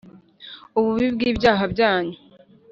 ububi bw’ibyaha byanyu,